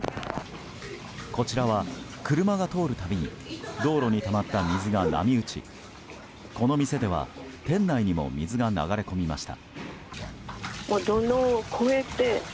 こちらは車が通る度に道路にたまった水が波打ちこの店では店内にも水が流れ込みました。